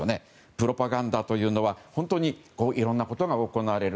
プロパガンダというのは本当にいろんなことが行われる。